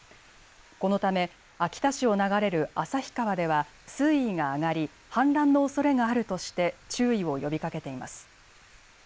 このため秋田市を流れる旭川では水位が上がり氾濫のおそれがあるとして注意を呼びかけています。